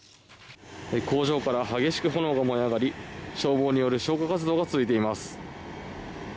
工場から激しく炎が燃え上がり消防による消火活動が続いています。